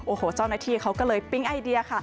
โอ้โหเจ้านาธิเขาก็เลยปิ้งไอเดีย